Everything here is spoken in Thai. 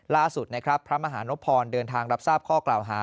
ล่าสุดนะครับพระมหานพรเดินทางรับทราบข้อกล่าวหา